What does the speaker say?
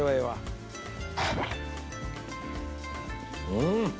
うん。